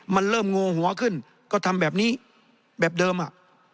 มันเริ่มโง่หัวขึ้นก็ทำแบบนี้แบบเดิมอ่ะ